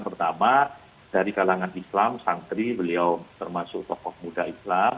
pertama dari kalangan islam santri beliau termasuk tokoh muda islam